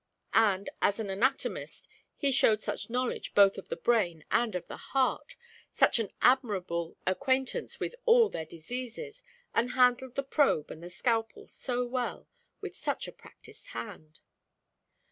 And as an anatomist he showed such knowledge both of the brain and of the heart, such an admirable acquaintance with all their diseases and handled the probe and the scalpel so well, with such a practised hand!